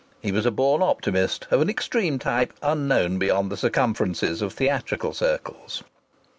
He was a born optimist, of an extreme type unknown beyond the circumferences of theatrical circles.